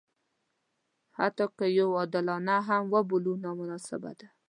حتی که یې عادلانه هم وبولو نامناسبه ده.